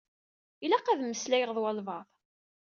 Ilaq ad meslayeɣ d walebɛaḍ.